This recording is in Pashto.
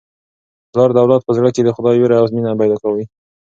پلار د اولاد په زړه کي د خدای وېره او مینه پیدا کوي.